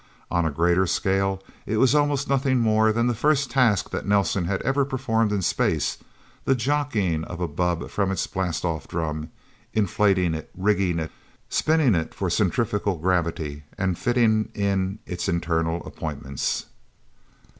On a greater scale, it was almost nothing more than the first task that Nelsen had ever performed in space the jockying of a bubb from its blastoff drum, inflating it, rigging it, spinning it for centrifugal gravity, and fitting in its internal appointments.